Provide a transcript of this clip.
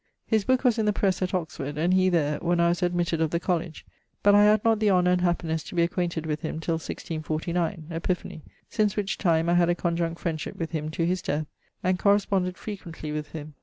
His booke was in the presse at Oxford, and he there, when I was admitted of the College, but I had not the honour and happinesse to be acquainted with him till 1649 (Epiphanie), since which time I had a conjunct friendship with him to his death, and corresponded frequently with him.